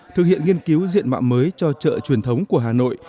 thực hiện nghiên cứu diện mạo mới cho chợ truyền thống của hà nội